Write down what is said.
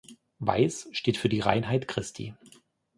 Weiß steht für die Reinheit Christi.